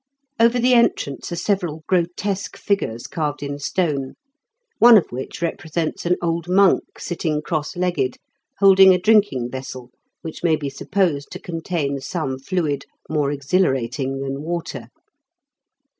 Over the entrance are several grotesque figures carved in stone, one of which represents an old monk sitting cross legged, holding a drinking vessel which may be supposed* to contain some fluid more exhilarating than water.